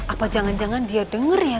apa jangan jangan dia dengar ya